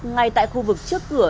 ngay tại khu vực trước cửa